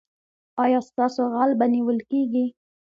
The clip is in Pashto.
ایا ستاسو غل به نیول کیږي؟